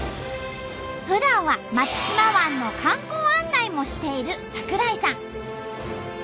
ふだんは松島湾の観光案内もしている桜井さん。